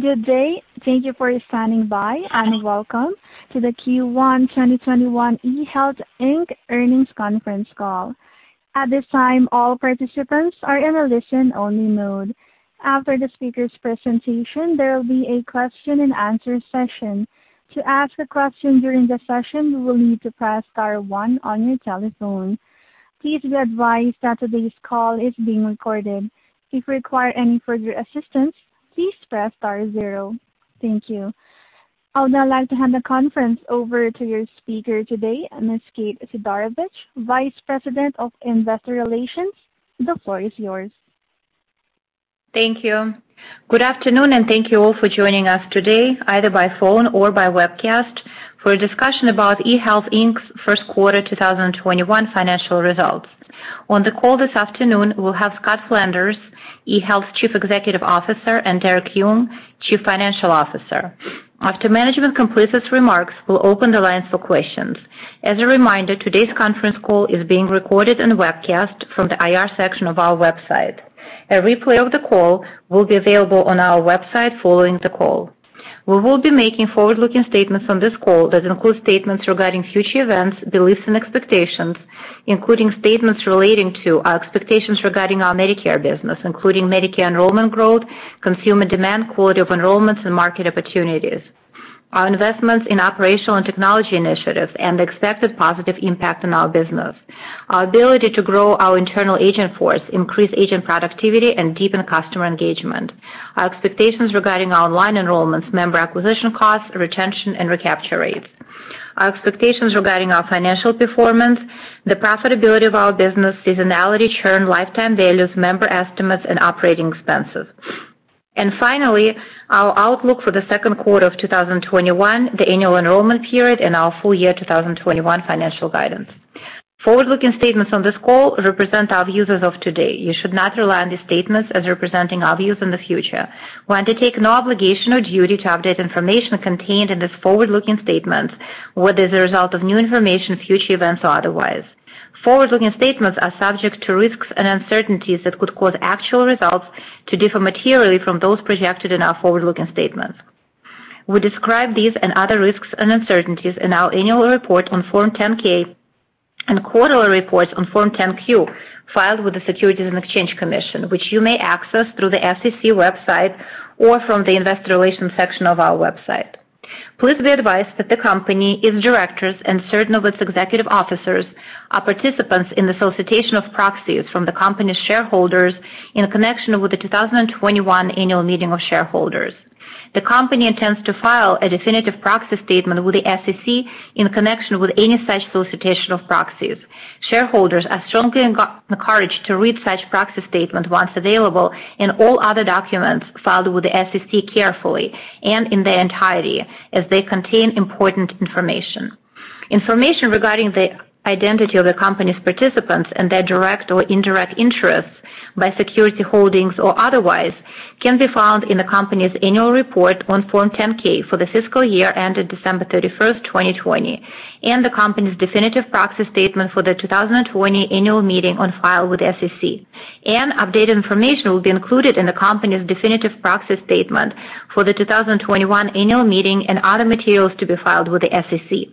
Good day. Thank you for standing by, and welcome to the Q1 2021 eHealth, Inc. earnings conference call. At this time, all participants are in a listen-only mode. After the speaker's presentation, there will be a question and answer session. To ask a question during the session, you will need to press star one on your telephone. Please be advised that today's call is being recorded. If you require any further assistance, please press star zero. Thank you. I would now like to hand the conference over to your speaker today, Ms. Kate Sidorovich, Vice President of Investor Relations. The floor is yours. Thank you. Good afternoon, Thank you all for joining us today, either by phone or by webcast, for a discussion about eHealth, Inc.'s first quarter 2021 financial results. On the call this afternoon, we'll have Scott Flanders, eHealth's Chief Executive Officer, and Derek Yung, Chief Financial Officer. After management completes its remarks, we'll open the lines for questions. As a reminder, today's conference call is being recorded and webcast from the IR section of our website. A replay of the call will be available on our website following the call. We will be making forward-looking statements on this call that include statements regarding future events, beliefs, and expectations, including statements relating to our expectations regarding our Medicare business, including Medicare enrollment growth, consumer demand, quality of enrollments, and market opportunities, our investments in operational and technology initiatives, and the expected positive impact on our business, our ability to grow our internal age-in force, increase age-in productivity, and deepen customer engagement, our expectations regarding online enrollments, member acquisition costs, retention, and recapture rates, our expectations regarding our financial performance, the profitability of our business, seasonality, churn, lifetime values, member estimates, and operating expenses. Finally, our outlook for the second quarter of 2021, the annual enrollment period, and our full year 2021 financial guidance. Forward-looking statements on this call represent our views as of today. You should not rely on these statements as representing our views in the future. We undertake no obligation or duty to update information contained in these forward-looking statements, whether as a result of new information, future events, or otherwise. Forward-looking statements are subject to risks and uncertainties that could cause actual results to differ materially from those projected in our forward-looking statements. We describe these and other risks and uncertainties in our annual report on Form 10-K and quarterly reports on Form 10-Q filed with the Securities and Exchange Commission, which you may access through the SEC website or from the investor relations section of our website. Please be advised that the company, its directors, and certain of its executive officers are participants in the solicitation of proxies from the company's shareholders in connection with the 2021 annual meeting of shareholders. The company intends to file a definitive proxy statement with the SEC in connection with any such solicitation of proxies. Shareholders are strongly encouraged to read such proxy statement once available and all other documents filed with the SEC carefully and in their entirety, as they contain important information. Information regarding the identity of the company's participants and their direct or indirect interests by security holdings or otherwise can be found in the company's annual report on Form 10-K for the fiscal year ended December 31st, 2020, and the company's definitive proxy statement for the 2020 annual meeting on file with the SEC. Updated information will be included in the company's definitive proxy statement for the 2021 annual meeting and other materials to be filed with the SEC.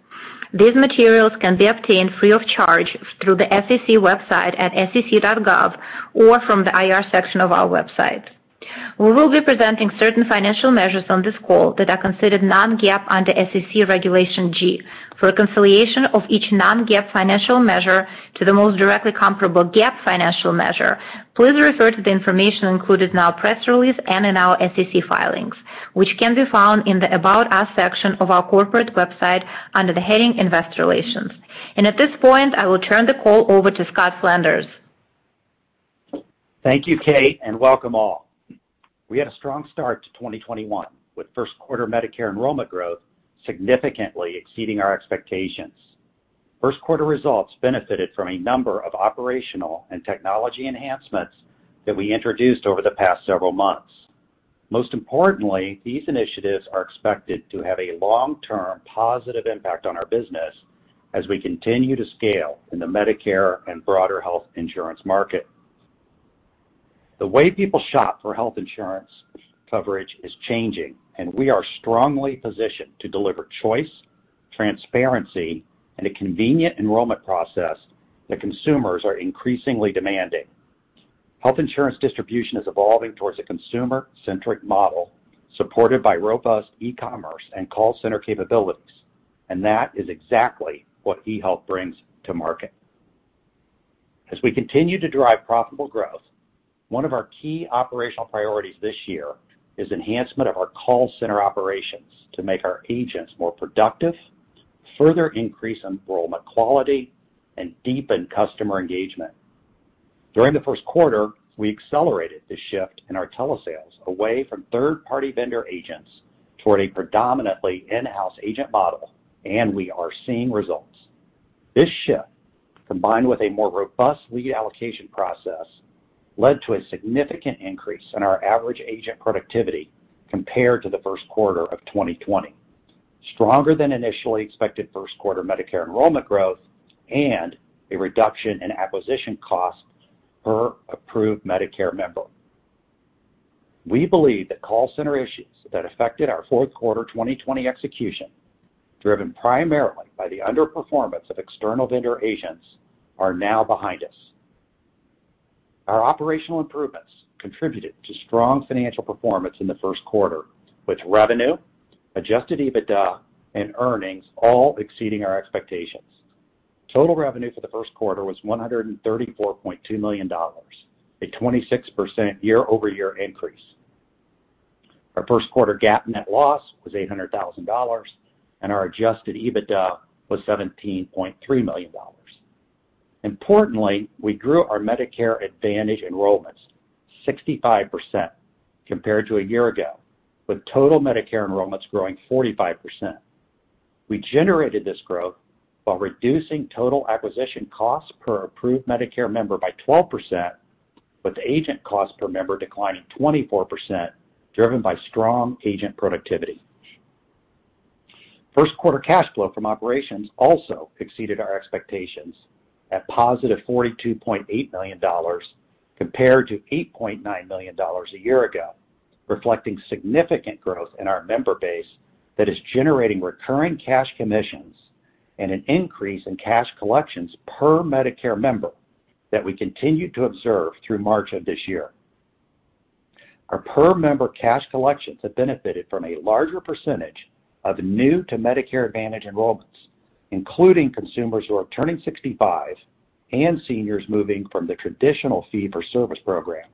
These materials can be obtained free of charge through the SEC website at sec.gov or from the IR section of our website. We will be presenting certain financial measures on this call that are considered non-GAAP under SEC Regulation G. For a reconciliation of each non-GAAP financial measure to the most directly comparable GAAP financial measure, please refer to the information included in our press release and in our SEC filings, which can be found in the About Us section of our corporate website under the heading Investor Relations. At this point, I will turn the call over to Scott Flanders. Thank you, Kate, and welcome all. We had a strong start to 2021, with first quarter Medicare enrollment growth significantly exceeding our expectations. First quarter results benefited from a number of operational and technology enhancements that we introduced over the past several months. Most importantly, these initiatives are expected to have a long-term positive impact on our business as we continue to scale in the Medicare and broader health insurance market. The way people shop for health insurance coverage is changing, and we are strongly positioned to deliver choice, transparency, and a convenient enrollment process that consumers are increasingly demanding. Health insurance distribution is evolving towards a consumer-centric model supported by robust e-commerce and call center capabilities, and that is exactly what eHealth brings to market. As we continue to drive profitable growth, one of our key operational priorities this year is enhancement of our call center operations to make our age-ins more productive, further increase enrollment quality, and deepen customer engagement. During the first quarter, we accelerated the shift in our telesales away from third-party vendor age-ins toward a predominantly in-house age-in model, and we are seeing results. This shift, combined with a more robust lead allocation process, led to a significant increase in our average age-in productivity compared to the first quarter of 2020. Stronger than initially expected first quarter Medicare enrollment growth and a reduction in acquisition costs per approved Medicare member. We believe the call center issues that affected our fourth quarter 2020 execution, driven primarily by the underperformance of external vendor age-in, are now behind us. Our operational improvements contributed to strong financial performance in the first quarter, with revenue, adjusted EBITDA, and earnings all exceeding our expectations. Total revenue for the first quarter was $134.2 million, a 26% year-over-year increase. Our first quarter GAAP net loss was $800,000, and our adjusted EBITDA was $17.3 million. Importantly, we grew our Medicare Advantage enrollments 65% compared to a year ago, with total Medicare enrollments growing 45%. We generated this growth while reducing total acquisition costs per approved Medicare member by 12%, with age-in costs per member declining 24%, driven by strong age-in productivity. First quarter cash flow from operations also exceeded our expectations at positive $42.8 million compared to $8.9 million a year ago, reflecting significant growth in our member base that is generating recurring cash commissions and an increase in cash collections per Medicare member that we continued to observe through March of this year. Our per-member cash collections have benefited from a larger percentage of new-to-Medicare Advantage enrollments, including consumers who are turning 65 and seniors moving from the traditional fee-for-service program.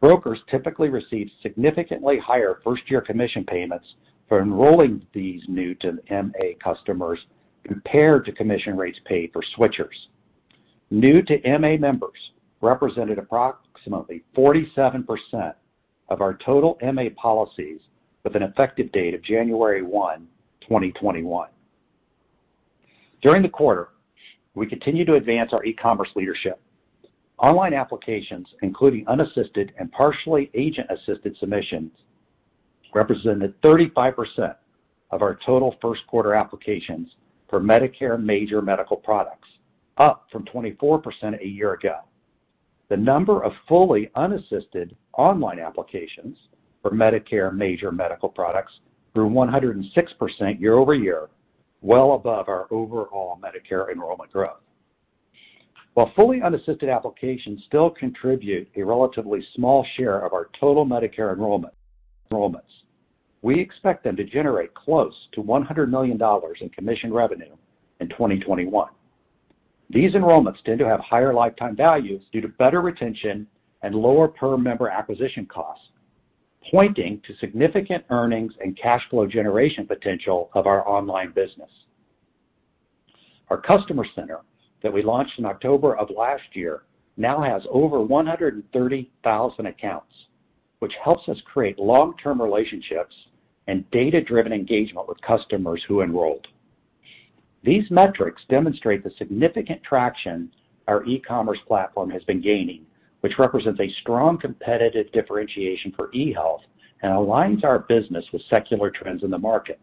Brokers typically receive significantly higher first-year commission payments for enrolling these new-to-MA customers compared to commission rates paid for switchers. new-to-MA members represented approximately 47% of our total MA policies with an effective date of January 1, 2021. During the quarter, we continued to advance our e-commerce leadership. Online applications, including unassisted and partially age-in-assisted submissions, represented 35% of our total first quarter applications for Medicare major medical products, up from 24% a year ago. The number of fully unassisted online applications for Medicare major medical products grew 106% year-over-year, well above our overall Medicare enrollment growth. While fully unassisted applications still contribute a relatively small share of our total Medicare enrollments, we expect them to generate close to $100 million in commission revenue in 2021. These enrollments tend to have higher lifetime values due to better retention and lower per-member acquisition costs, pointing to significant earnings and cash flow generation potential of our online business. Our customer center that we launched in October of last year now has over 130,000 accounts, which helps us create long-term relationships and data-driven engagement with customers who enrolled. These metrics demonstrate the significant traction our e-commerce platform has been gaining, which represents a strong competitive differentiation for eHealth and aligns our business with secular trends in the market.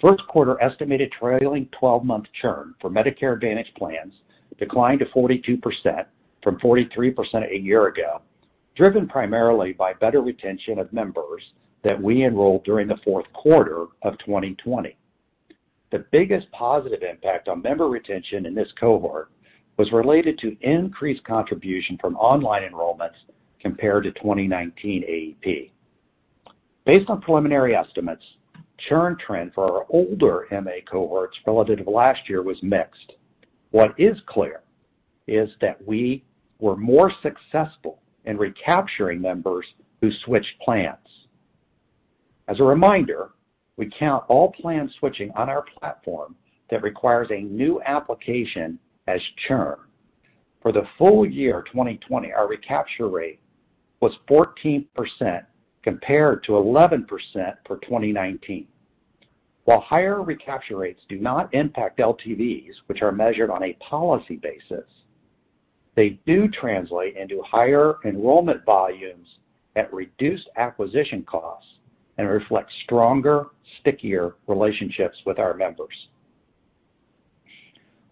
First quarter estimated trailing 12-month churn for Medicare Advantage plans declined to 42% from 43% a year ago, driven primarily by better retention of members that we enrolled during the fourth quarter of 2020. The biggest positive impact on member retention in this cohort was related to increased contribution from online enrollments compared to 2019 AEP. Based on preliminary estimates, churn trend for our older MA cohorts relative to last year was mixed. What is clear is that we were more successful in recapturing members who switched plans. As a reminder, we count all plan switching on our platform that requires a new application as churn. For the full year 2020, our recapture rate was 14% compared to 11% for 2019. While higher recapture rates do not impact LTVs, which are measured on a policy basis, they do translate into higher enrollment volumes at reduced acquisition costs and reflect stronger, stickier relationships with our members.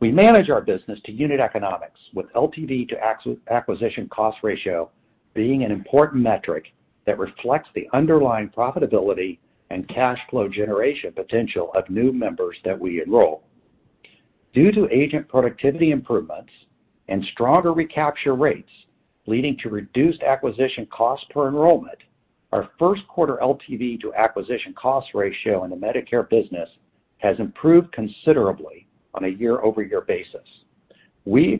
We manage our business to unit economics, with LTV to acquisition cost ratio being an important metric that reflects the underlying profitability and cash flow generation potential of new members that we enroll. Due to age-in productivity improvements and stronger recapture rates leading to reduced acquisition cost per enrollment, our first quarter LTV to acquisition cost ratio in the Medicare business has improved considerably on a year-over-year basis. We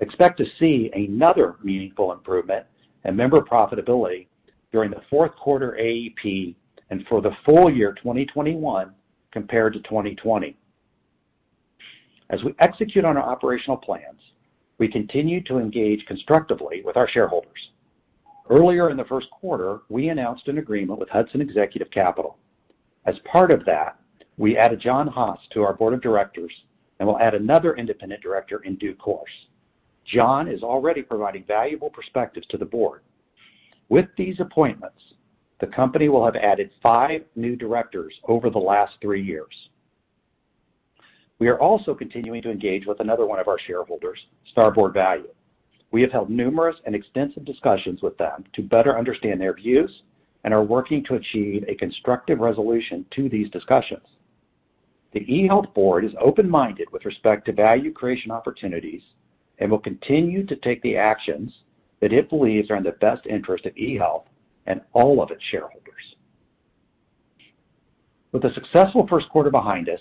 expect to see another meaningful improvement in member profitability during the fourth quarter AEP and for the full year 2021 compared to 2020. As we execute on our operational plans, we continue to engage constructively with our shareholders. Earlier in the first quarter, we announced an agreement with Hudson Executive Capital. As part of that, we added John Hass, III to our board of directors and will add another independent director in due course. John is already providing valuable perspectives to the board. With these appointments, the company will have added five new directors over the last three years. We are also continuing to engage with another one of our shareholders, Starboard Value. We have held numerous and extensive discussions with them to better understand their views and are working to achieve a constructive resolution to these discussions. The eHealth board is open-minded with respect to value creation opportunities and will continue to take the actions that it believes are in the best interest of eHealth and all of its shareholders. With a successful first quarter behind us,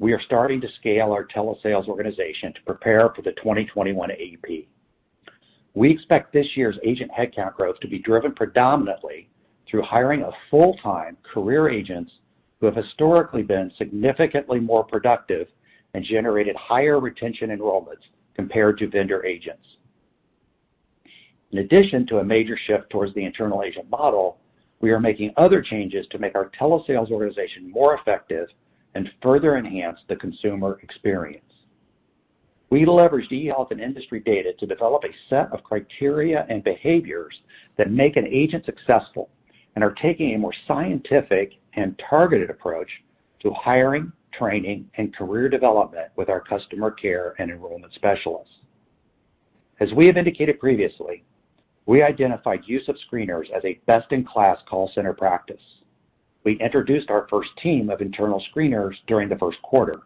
we are starting to scale our telesales organization to prepare for the 2021 AEP. We expect this year's age-in headcount growth to be driven predominantly through hiring of full-time career age-ins who have historically been significantly more productive and generated higher retention enrollments compared to vendor age-ins. In addition to a major shift towards the internal age-in model, we are making other changes to make our telesales organization more effective and further enhance the consumer experience. We leveraged eHealth and industry data to develop a set of criteria and behaviors that make an age-in successful and are taking a more scientific and targeted approach to hiring, training, and career development with our customer care and enrollment specialists. As we have indicated previously, we identified use of screeners as a best-in-class call center practice. We introduced our first team of internal screeners during the first quarter.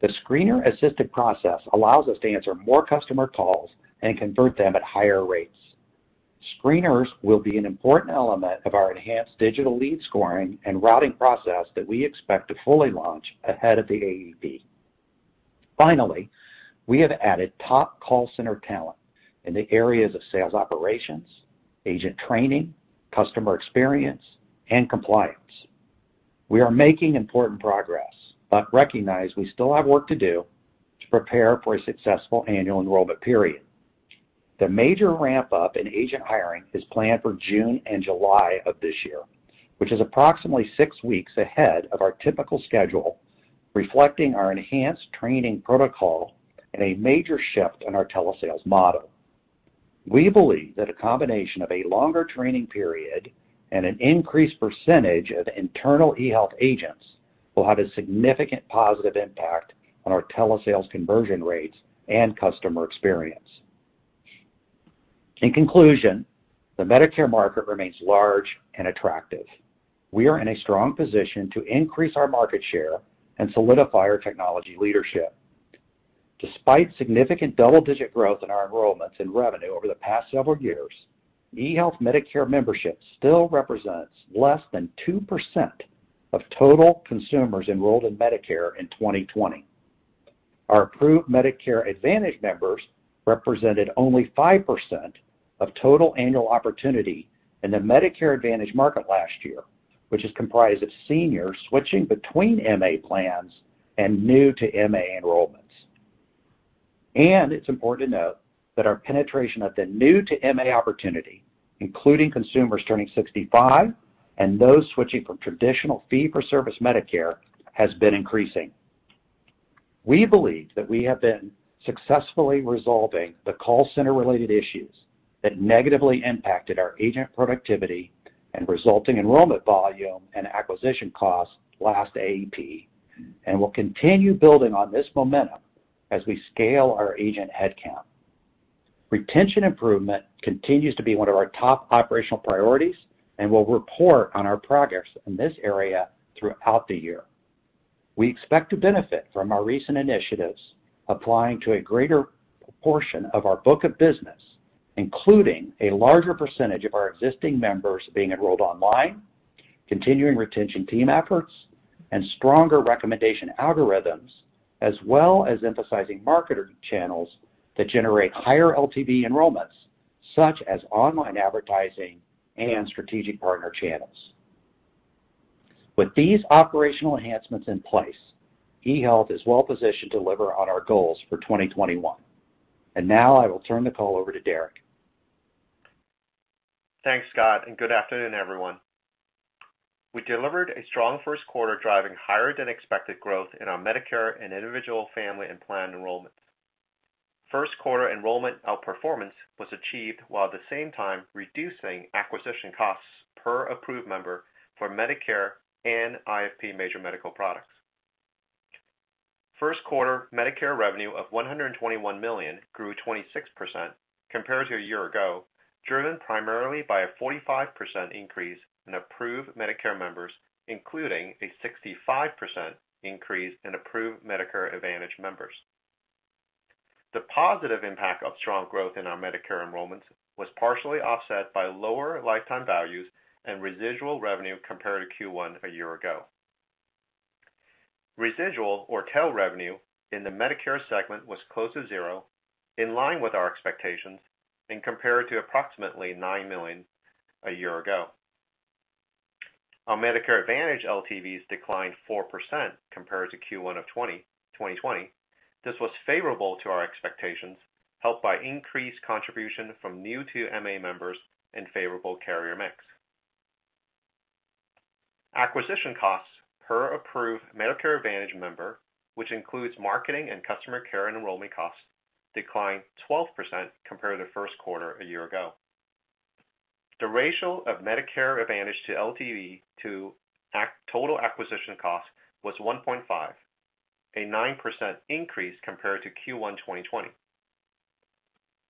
The screener-assisted process allows us to answer more customer calls and convert them at higher rates. Screeners will be an important element of our enhanced digital lead scoring and routing process that we expect to fully launch ahead of the AEP. We have added top call center talent in the areas of sales operations, age-in training, customer experience, and compliance. We are making important progress but recognize we still have work to do to prepare for a successful annual enrollment period. The major ramp-up in age-in hiring is planned for June and July of this year, which is approximately six weeks ahead of our typical schedule, reflecting our enhanced training protocol and a major shift in our telesales model. We believe that a combination of a longer training period and an increased percentage of internal eHealth age-ins will have a significant positive impact on our telesales conversion rates and customer experience. In conclusion, the Medicare market remains large and attractive. We are in a strong position to increase our market share and solidify our technology leadership. Despite significant double-digit growth in our enrollments and revenue over the past several years, eHealth Medicare membership still represents less than 2% of total consumers enrolled in Medicare in 2020. Our approved Medicare Advantage members represented only 5% of total annual opportunity in the Medicare Advantage market last year, which is comprised of seniors switching between MA plans and new-to-MA enrollments. It's important to note that our penetration of the new-to-MA opportunity, including consumers turning 65 and those switching from traditional fee-for-service Medicare, has been increasing. We believe that we have been successfully resolving the call center-related issues that negatively impacted our age-in productivity and resulting enrollment volume and acquisition costs last AEP, will continue building on this momentum as we scale our age-in headcount. Retention improvement continues to be one of our top operational priorities, we'll report on our progress in this area throughout the year. We expect to benefit from our recent initiatives applying to a greater proportion of our book of business, including a larger percentage of our existing members being enrolled online, continuing retention team efforts, and stronger recommendation algorithms, as well as emphasizing marketer channels that generate higher LTV enrollments, such as online advertising and strategic partner channels. With these operational enhancements in place, eHealth is well positioned to deliver on our goals for 2021. Now I will turn the call over to Derek. Thanks, Scott. Good afternoon, everyone. We delivered a strong first quarter, driving higher-than-expected growth in our Medicare and individual and family plan enrollments. First quarter enrollment outperformance was achieved while at the same time reducing acquisition costs per approved member for Medicare and IFP major medical products. First quarter Medicare revenue of $121 million grew 26% compared to a year ago, driven primarily by a 45% increase in approved Medicare members, including a 65% increase in approved Medicare Advantage members. The positive impact of strong growth in our Medicare enrollments was partially offset by lower lifetime values and residual revenue compared to Q1 a year ago. Residual or tail revenue in the Medicare segment was close to zero, in line with our expectations, and compared to approximately $9 million a year ago. Our Medicare Advantage LTVs declined 4% compared to Q1 of 2020. This was favorable to our expectations, helped by increased contribution from new-to-MA members and favorable carrier mix. Acquisition costs per approved Medicare Advantage member, which includes marketing and customer care and enrollment costs, declined 12% compared to the first quarter a year ago. The ratio of Medicare Advantage to LTV to total acquisition cost was 1.5, a 9% increase compared to Q1 2020.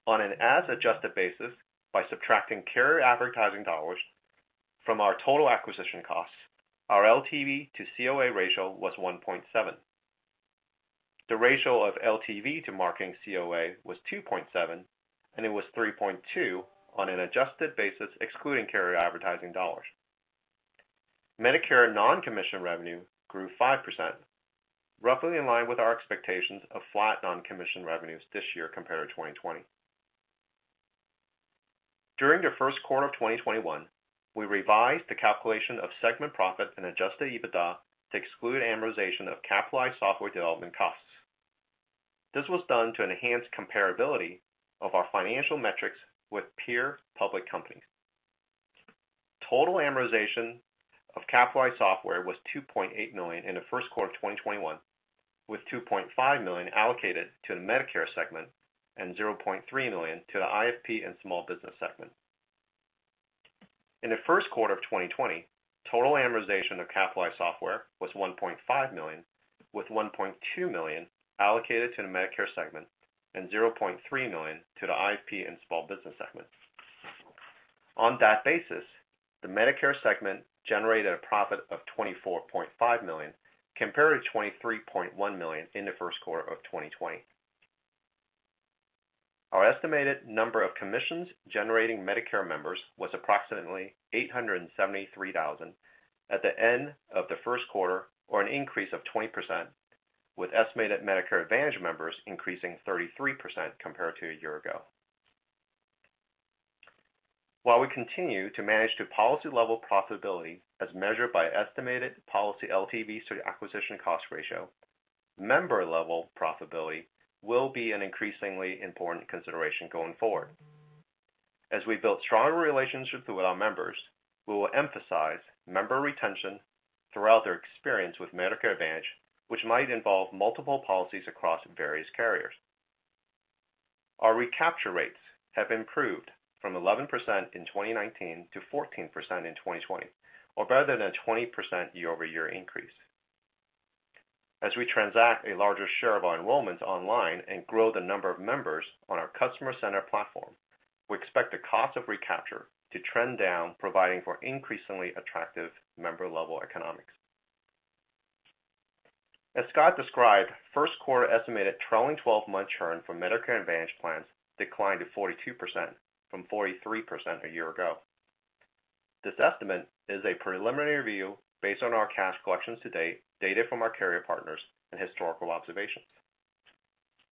On an as-adjusted basis by subtracting carrier advertising dollars from our total acquisition costs, our LTV to COA ratio was 1.7. The ratio of LTV to marketing COA was 2.7, and it was 3.2 on an adjusted basis excluding carrier advertising dollars. Medicare non-commission revenue grew 5%, roughly in line with our expectations of flat non-commission revenues this year compared to 2020. During the first quarter of 2021, we revised the calculation of segment profit and adjusted EBITDA to exclude amortization of capitalized software development costs. This was done to enhance comparability of our financial metrics with peer public companies. Total amortization of capitalized software was $2.8 million in the first quarter of 2021, with $2.5 million allocated to the Medicare segment and $0.3 million to the IFP and small business segment. In the first quarter of 2020, total amortization of capitalized software was $1.5 million, with $1.2 million allocated to the Medicare segment and $0.3 million to the IFP and small business segment. On that basis, the Medicare segment generated a profit of $24.5 million, compared to $23.1 million in the first quarter of 2020. Our estimated number of commissions generating Medicare members was approximately 873,000 at the end of the first quarter, or an increase of 20%, with estimated Medicare Advantage members increasing 33% compared to a year ago. While we continue to manage to policy-level profitability as measured by estimated policy LTV to acquisition cost ratio, member-level profitability will be an increasingly important consideration going forward. As we build stronger relationships with our members, we will emphasize member retention throughout their experience with Medicare Advantage, which might involve multiple policies across various carriers. Our recapture rates have improved from 11% in 2019 to 14% in 2020, or better than a 20% year-over-year increase. As we transact a larger share of our enrollments online and grow the number of members on our Customer Care Center platform, we expect the cost of recapture to trend down, providing for increasingly attractive member-level economics. As Scott described, first quarter estimated trailing 12-month churn for Medicare Advantage plans declined to 42% from 43% a year ago. This estimate is a preliminary view based on our cash collections to date, data from our carrier partners, and historical observations.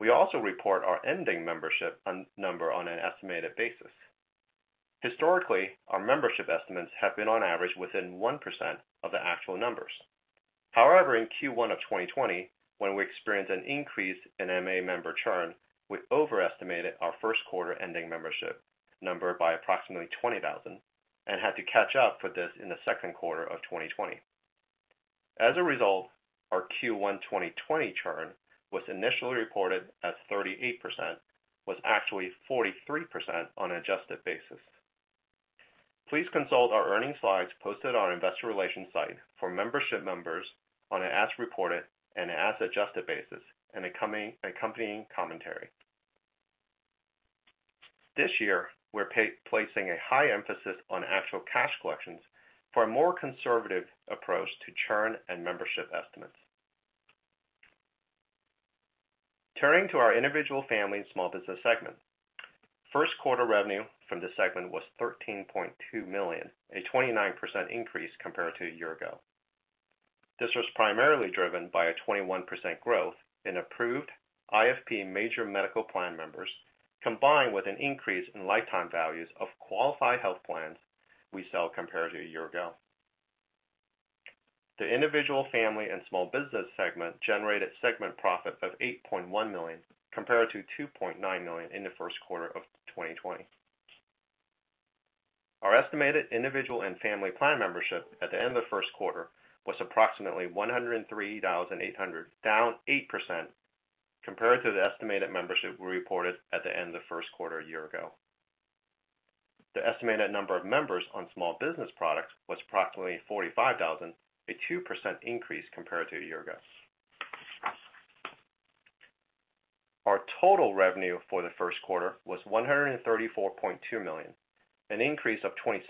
We also report our ending membership number on an estimated basis. Historically, our membership estimates have been on average within 1% of the actual numbers. However, in Q1 of 2020, when we experienced an increase in MA member churn, we overestimated our first quarter ending membership number by approximately 20,000 and had to catch up with this in the second quarter of 2020. As a result, our Q1 2020 churn was initially reported as 38%, was actually 43% on an adjusted basis. Please consult our earnings slides posted on our investor relations site for membership numbers on an as reported and as adjusted basis, and accompanying commentary. This year, we're placing a high emphasis on actual cash collections for a more conservative approach to churn and membership estimates. Turning to our individual family and small business segment. First quarter revenue from this segment was $13.2 million, a 29% increase compared to a year ago. This was primarily driven by a 21% growth in approved IFP major medical plan members, combined with an increase in lifetime values of qualified health plans we sell compared to a year ago. The individual, family, and small business segment generated segment profits of $8.1 million, compared to $2.9 million in the first quarter of 2020. Our estimated individual and family plan membership at the end of the first quarter was approximately 103,800, down 8% compared to the estimated membership we reported at the end of the first quarter a year ago. The estimated number of members on small business products was approximately 45,000, a 2% increase compared to a year ago. Our total revenue for the first quarter was $134.2 million, an increase of 26%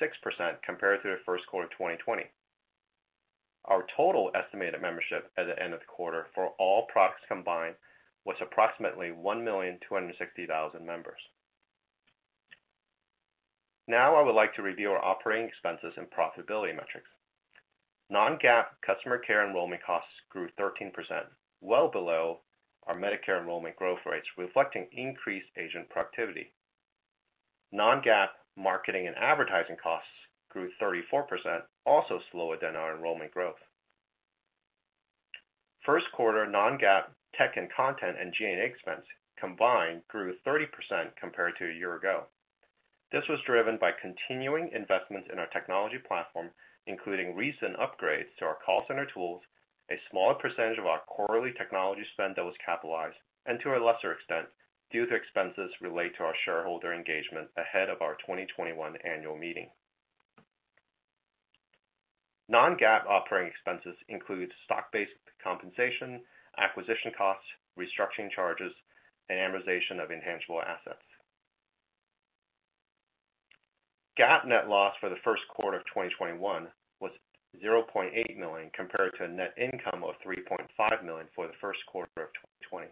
compared to the first quarter of 2020. Our total estimated membership at the end of the quarter for all products combined was approximately 1,260,000 members. Now I would like to review our operating expenses and profitability metrics. Non-GAAP customer care enrollment costs grew 13%, well below our Medicare enrollment growth rates, reflecting increased age-in productivity. Non-GAAP marketing and advertising costs grew 34%, also slower than our enrollment growth. First quarter non-GAAP tech and content and G&A expense combined grew 30% compared to a year ago. This was driven by continuing investments in our technology platform, including recent upgrades to our call center tools, a smaller percentage of our quarterly technology spend that was capitalized, and to a lesser extent, due to expenses related to our shareholder engagement ahead of our 2021 annual meeting. Non-GAAP operating expenses include stock-based compensation, acquisition costs, restructuring charges, and amortization of intangible assets. GAAP net loss for the first quarter of 2021 was $0.8 million compared to a net income of $3.5 million for the first quarter of 2020.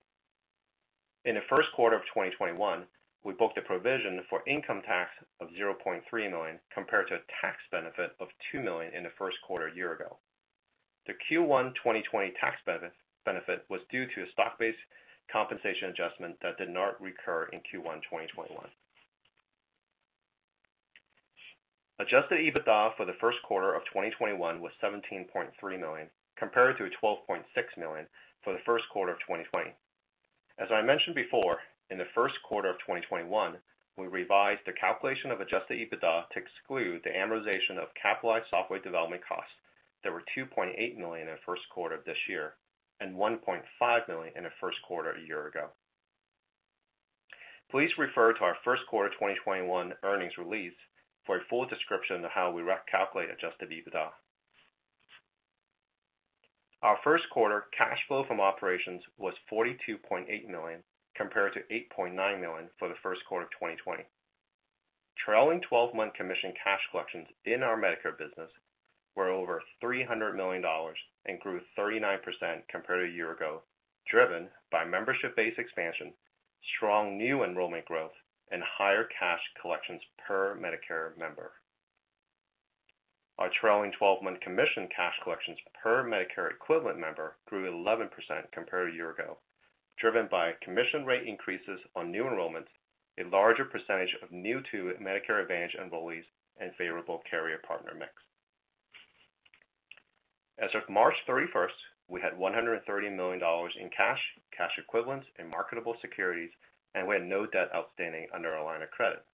In the first quarter of 2021, we booked a provision for income tax of $0.3 million, compared to a tax benefit of $2 million in the first quarter a year ago. The Q1 2020 tax benefit was due to a stock-based compensation adjustment that did not recur in Q1 2021. Adjusted EBITDA for the first quarter of 2021 was $17.3 million, compared to $12.6 million for the first quarter of 2020. As I mentioned before, in the first quarter of 2021, we revised the calculation of adjusted EBITDA to exclude the amortization of capitalized software development costs that were $2.8 million in the first quarter of this year and $1.5 million in the first quarter a year ago. Please refer to our first quarter 2021 earnings release for a full description of how we calculate adjusted EBITDA. Our first quarter cash flow from operations was $42.8 million, compared to $8.9 million for the first quarter of 2020. Trailing 12-month commission cash collections in our Medicare business were over $300 million and grew 39% compared to a year ago, driven by membership-based expansion, strong new enrollment growth, and higher cash collections per Medicare member. Our trailing 12-month commission cash collections per Medicare equivalent member grew 11% compared to a year ago, driven by commission rate increases on new enrollments, a larger percentage of new to Medicare Advantage enrollees, and favorable carrier partner mix. As of March 31st, we had $130 million in cash, cash equivalents, and marketable securities, and we had no debt outstanding under our line of credit.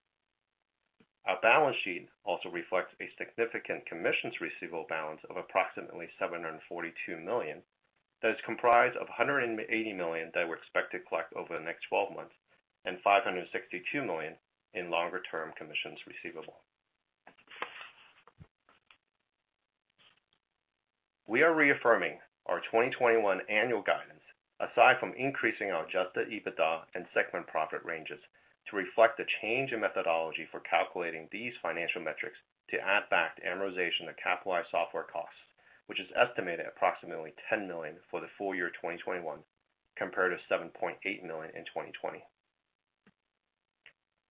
Our balance sheet also reflects a significant commissions receivable balance of approximately $742 million that is comprised of $180 million that we're expected to collect over the next 12 months and $562 million in longer-term commissions receivable. We are reaffirming our 2021 annual guidance, aside from increasing our adjusted EBITDA and segment profit ranges to reflect the change in methodology for calculating these financial metrics to add back the amortization of capitalized software costs, which is estimated at approximately $10 million for the full year 2021 compared to $7.8 million in 2020.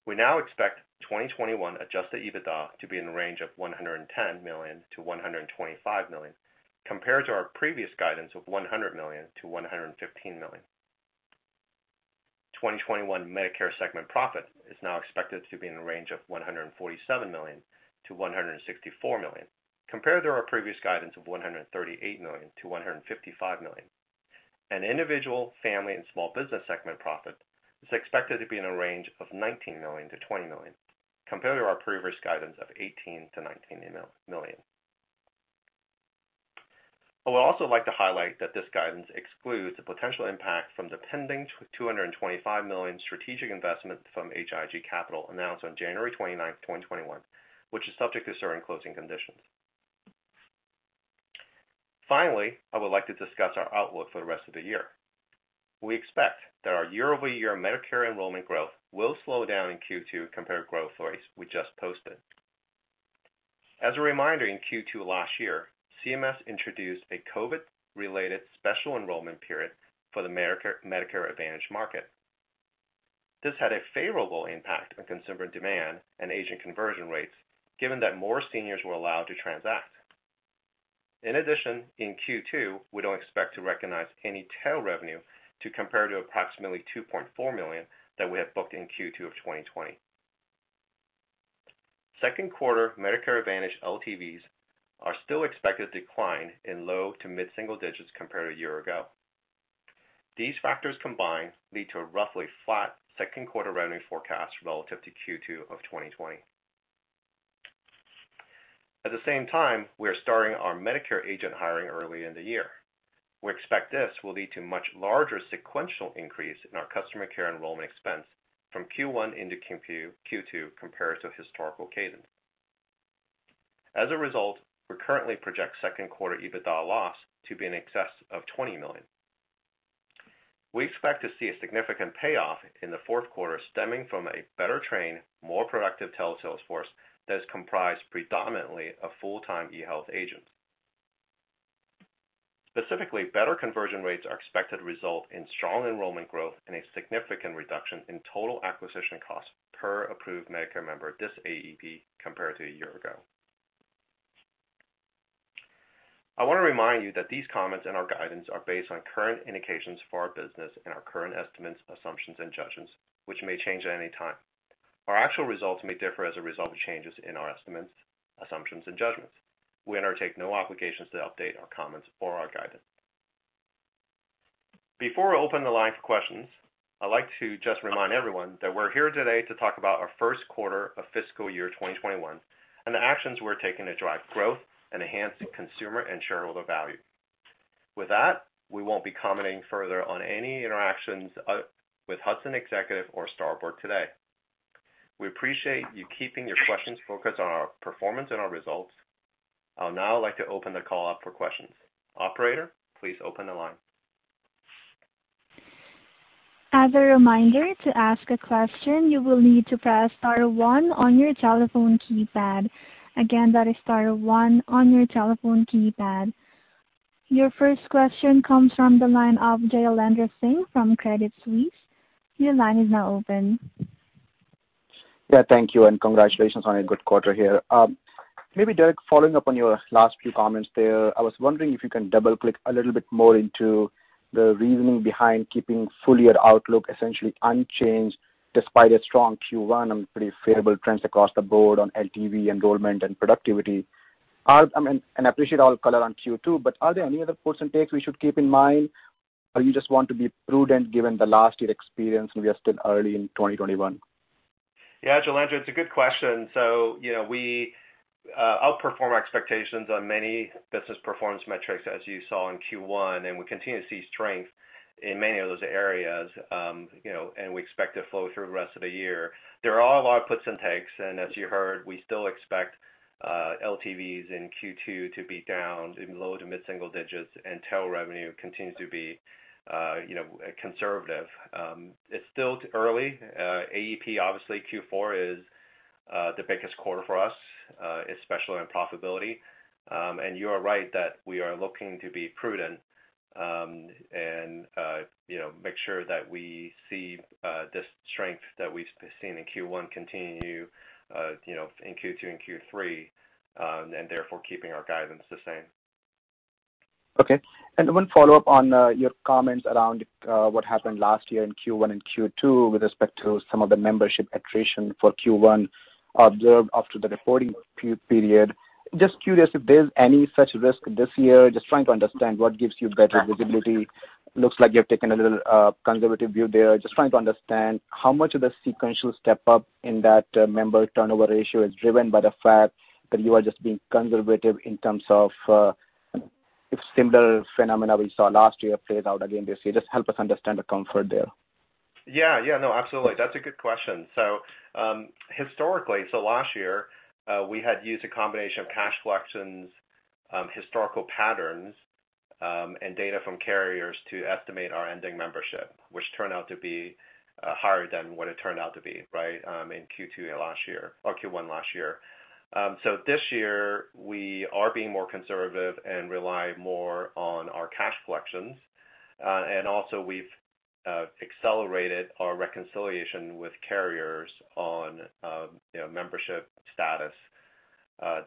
We now expect 2021 adjusted EBITDA to be in the range of $110 million-$125 million, compared to our previous guidance of $100 million-$115 million. 2021 Medicare segment profit is now expected to be in the range of $147 million-$164 million, compared to our previous guidance of $138 million-$155 million. Individual, family, and small business segment profit is expected to be in a range of $19 million-$20 million, compared to our previous guidance of $18 million-$19 million. I would also like to highlight that this guidance excludes the potential impact from the pending $225 million strategic investment from H.I.G. Capital announced on January 29th, 2021, which is subject to certain closing conditions. I would like to discuss our outlook for the rest of the year. We expect that our year-over-year Medicare enrollment growth will slow down in Q2 compared to growth rates we just posted. As a reminder, in Q2 last year, CMS introduced a COVID-related special enrollment period for the Medicare Advantage market. This had a favorable impact on consumer demand and age-in conversion rates, given that more seniors were allowed to transact. In addition, in Q2, we don't expect to recognize any tail revenue to compare to approximately $2.4 million that we have booked in Q2 of 2020. Second quarter Medicare Advantage LTVs are still expected to decline in low to mid-single digits compared to a year ago. These factors combined lead to a roughly flat second quarter revenue forecast relative to Q2 of 2020. At the same time, we are starting our Medicare age-in hiring early in the year. We expect this will lead to much larger sequential increase in our Customer Care enrollment expense from Q1 into Q2 compared to historical cadence. As a result, we currently project second quarter EBITDA loss to be in excess of $20 million. We expect to see a significant payoff in the fourth quarter stemming from a better trained, more productive telesales force that is comprised predominantly of full-time eHealth age-ins. Specifically, better conversion rates are expected to result in strong enrollment growth and a significant reduction in total acquisition costs per approved Medicare member this AEP compared to a year ago. I want to remind you that these comments and our guidance are based on current indications for our business and our current estimates, assumptions, and judgments, which may change at any time. Our actual results may differ as a result of changes in our estimates, assumptions, and judgments. We undertake no obligations to update our comments or our guidance. Before we open the line for questions, I'd like to just remind everyone that we're here today to talk about our first quarter of fiscal year 2021, and the actions we're taking to drive growth and enhance consumer and shareholder value. With that, we won't be commenting further on any interactions with Hudson Executive or Starboard today. We appreciate you keeping your questions focused on our performance and our results. I would now like to open the call up for questions. Operator, please open the line. As a reminder, to ask a question, you will need to press star one on your telephone keypad. Again, that is star one on your telephone keypad. Your first question comes from the line of Jailendra Singh from Credit Suisse. Your line is now open. Yeah, thank you, and congratulations on a good quarter here. Maybe, Derek, following up on your last few comments there, I was wondering if you can double-click a little bit more into the reasoning behind keeping full-year outlook essentially unchanged despite a strong Q1 and pretty favorable trends across the board on LTV, enrollment, and productivity. I appreciate all the color on Q2, but are there any other puts and takes we should keep in mind? You just want to be prudent given the last year experience, and we are still early in 2021? Yeah, Jailendra, it's a good question. We outperformed our expectations on many business performance metrics as you saw in Q1, and we continue to see strength in many of those areas. We expect to flow through the rest of the year. There are a lot of puts and takes, and as you heard, we still expect LTVs in Q2 to be down in low to mid-single digits, and tail revenue continues to be conservative. It's still early. AEP, obviously Q4 is the biggest quarter for us, especially on profitability. You are right that we are looking to be prudent, and make sure that we see this strength that we've seen in Q1 continue in Q2 and Q3, and therefore keeping our guidance the same. Okay. One follow-up on your comments around what happened last year in Q1 and Q2 with respect to some of the membership attrition for Q1 observed after the reporting period. Just curious if there's any such risk this year. Just trying to understand what gives you better visibility. Looks like you have taken a little conservative view there. Just trying to understand how much of the sequential step-up in that member turnover ratio is driven by the fact that you are just being conservative in terms of if similar phenomena we saw last year plays out again this year. Just help us understand the comfort there. Yeah. No, absolutely. That's a good question. Historically, last year, we had used a combination of cash collections, historical patterns, and data from carriers to estimate our ending membership, which turned out to be higher than what it turned out to be, right, in Q2 last year or Q1 last year. This year, we are being more conservative and rely more on our cash collections. Also we've accelerated our reconciliation with carriers on membership status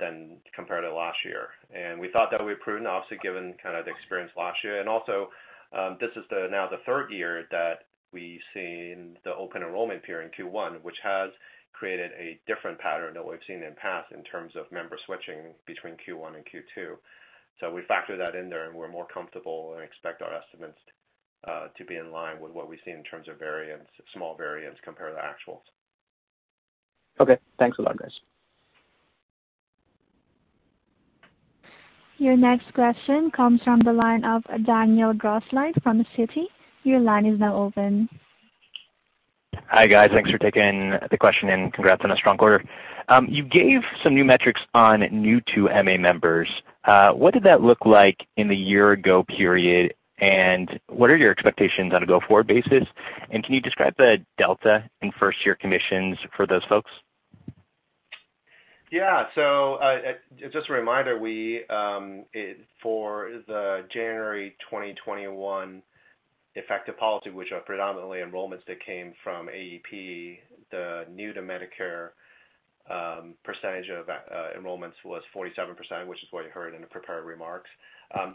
than compared to last year. We thought that we were prudent, obviously, given kind of the experience last year. Also, this is now the third year that we've seen the open enrollment period in Q1, which has created a different pattern than we've seen in the past in terms of member switching between Q1 and Q2. We factor that in there, and we're more comfortable and expect our estimates to be in line with what we've seen in terms of small variance compared to the actuals. Okay. Thanks a lot, guys. Your next question comes from the line of Daniel Grosslight from Citi. Your line is now open. Hi, guys. Thanks for taking the question, congrats on a strong quarter. You gave some new metrics on new-to-MA members. What did that look like in the year ago period, and what are your expectations on a go-forward basis? Can you describe the delta in first-year commissions for those folks? Yeah. Just a reminder, for the January 2021 effective policy, which are predominantly enrollments that came from AEP, the new-to-Medicare percentage of enrollments was 47%, which is what you heard in the prepared remarks.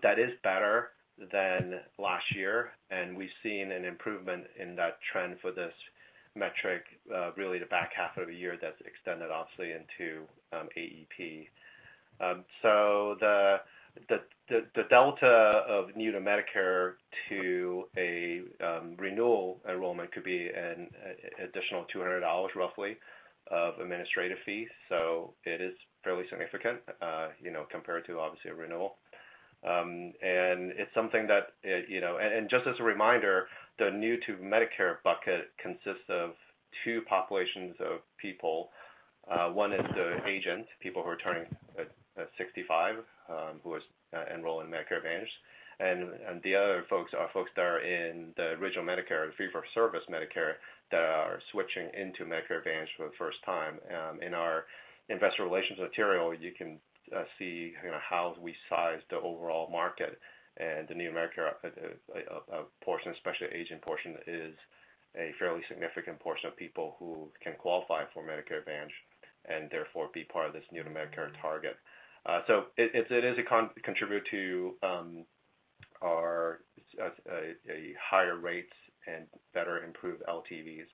That is better than last year, we've seen an improvement in that trend for this metric, really the back half of the year that's extended, obviously, into AEP. The delta of new-to-Medicare to a renewal enrollment could be an additional $200, roughly, of administrative fees. It is fairly significant, compared to, obviously, a renewal. Just as a reminder, the new-to-Medicare bucket consists of two populations of people. One is the age-in, people who are turning 65, who enroll in Medicare Advantage, and the other folks are folks that are in the original Medicare, fee-for-service Medicare, that are switching into Medicare Advantage for the first time. In our investor relations material, you can see how we size the overall market and the new Medicare portion, especially age-in portion, is a fairly significant portion of people who can qualify for Medicare Advantage and therefore be part of this new-to-Medicare target. It is a contributor to a higher rate and better improved LTVs.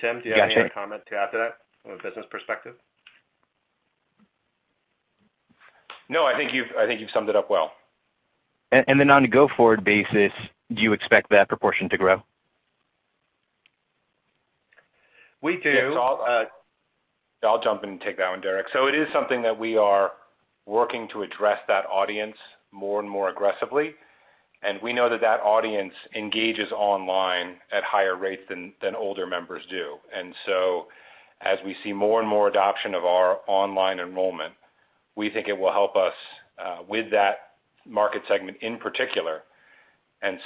Tim, do you have any comment to add to that from a business perspective? No, I think you've summed it up well. On a go-forward basis, do you expect that proportion to grow? We do. Yes. I'll jump in and take that one, Derek Yung. It is something that we are working to address that audience more and more aggressively. We know that that audience engages online at higher rates than older members do. As we see more and more adoption of our online enrollment, we think it will help us with that market segment in particular.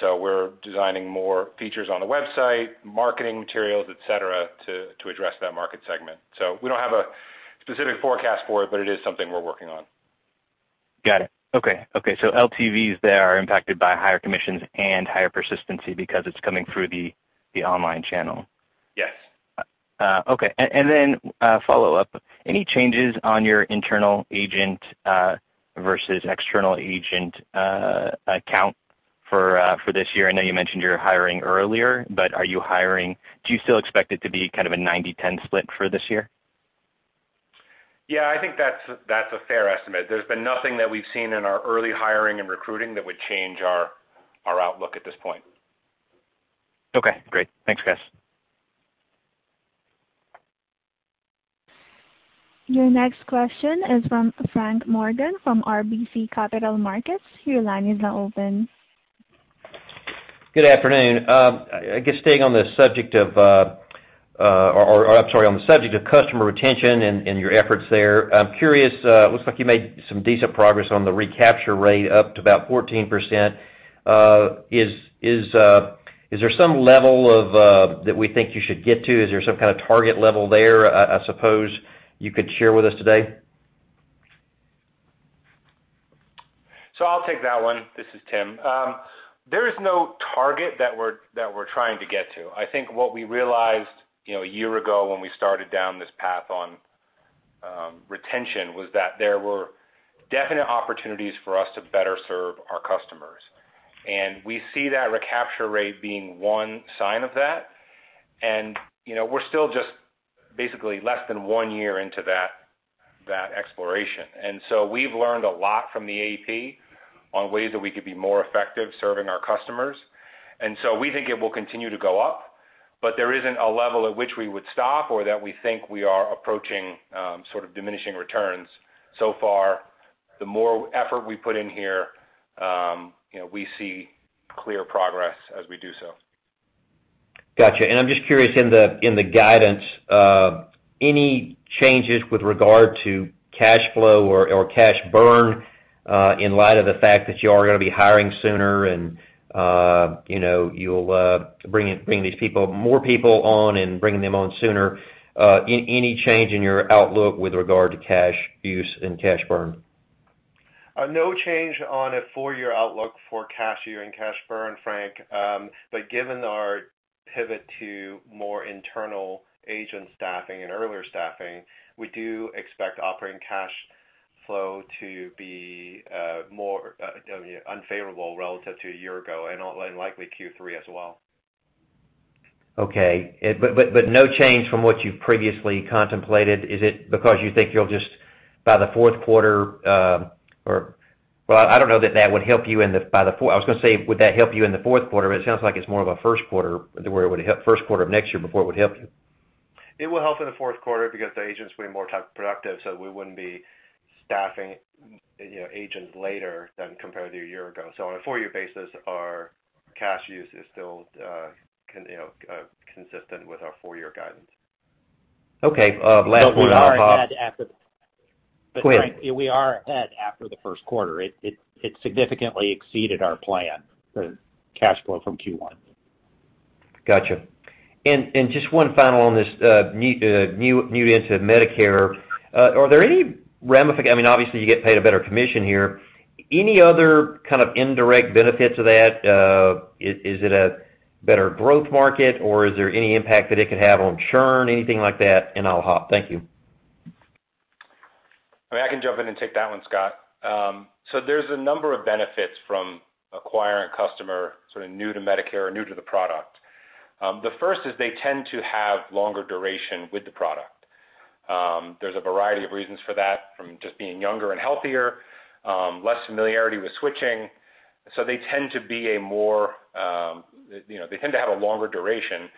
We're designing more features on the website, marketing materials, et cetera, to address that market segment. We don't have a specific forecast for it, but it is something we're working on. Got it. Okay. LTVs there are impacted by higher commissions and higher persistency because it's coming through the online channel. Yes. Okay. A follow-up, any changes on your internal age-in versus external age-in count for this year? I know you mentioned you're hiring earlier. Do you still expect it to be kind of a 90/10 split for this year? Yeah, I think that's a fair estimate. There's been nothing that we've seen in our early hiring and recruiting that would change our outlook at this point. Okay, great. Thanks, guys. Your next question is from Frank Morgan of RBC Capital Markets. Your line is now open. Good afternoon. I guess staying on the subject of customer retention and your efforts there, I'm curious, looks like you made some decent progress on the recapture rate up to about 14%. Is there some level that we think you should get to? Is there some kind of target level there, I suppose you could share with us today? I'll take that one. This is Tim. There is no target that we're trying to get to. I think what we realized a year ago when we started down this path on retention was that there were definite opportunities for us to better serve our customers. We see that recapture rate being one sign of that. We're still just basically less than one year into that exploration. We've learned a lot from the AEP on ways that we could be more effective serving our customers. We think it will continue to go up, but there isn't a level at which we would stop or that we think we are approaching sort of diminishing returns. So far, the more effort we put in here, we see clear progress as we do so. Got you. I'm just curious in the guidance, any changes with regard to cash flow or cash burn, in light of the fact that you all are going to be hiring sooner and you'll bring these more people on and bring them on sooner, any change in your outlook with regard to cash use and cash burn? No change on a full year outlook for cash use and cash burn, Frank. Given our pivot to more internal age-in staffing and earlier staffing, we do expect operating cash flow to be more unfavorable relative to a year ago and likely Q3 as well. Okay. No change from what you've previously contemplated. Is it because you think you'll just, by the fourth quarter or? Well, I don't know that that would help you in the fourth quarter? It sounds like it's more of a first quarter, where it would help first quarter of next year before it would help you. It will help in the fourth quarter because the age-ins will be more productive, we wouldn't be staffing age-ins later than compared to a year ago. On a full year basis, our cash use is still consistent with our full year guidance. Okay. Last one, and I'll hop off. Frank, we are ahead after the first quarter. It significantly exceeded our plan for cash flow from Q1. Got you. Just one final on this new-to-Medicare. Are there any, I mean, obviously you get paid a better commission here. Any other kind of indirect benefits of that? Is it a better growth market, or is there any impact that it could have on churn, anything like that? I'll hop. Thank you. I can jump in and take that one, Scott. There's a number of benefits from acquiring a customer sort of new to Medicare or new to the product. The first is they tend to have longer duration with the product. There's a variety of reasons for that, from just being younger and healthier, less familiarity with switching. They tend to have a longer duration.